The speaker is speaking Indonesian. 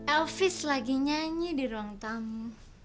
elvis lagi nyanyi di ruang tamu